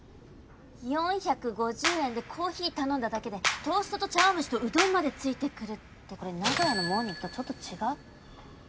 ４５０円でコーヒー頼んだだけでトーストと茶碗蒸しとうどんまでついてくるってこれ名古屋のモーニングとちょっと違う？